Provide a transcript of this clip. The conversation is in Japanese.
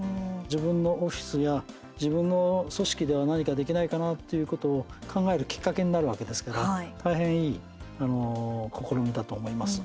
自分のオフィスや自分の組織では何かできないかなっていうことを考えるきっかけになるわけですから大変いい試みだと思います。